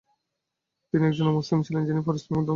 তিনি একজন অমুসলিম ছিলেন যিনি পরে ইসলাম ধর্মে ধর্মান্তরিত হন।